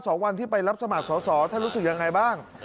สองวันที่ไปรับสมัครสอสอท่านรู้สึกยังไงบ้าง